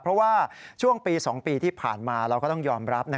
เพราะว่าช่วงปี๒ปีที่ผ่านมาเราก็ต้องยอมรับ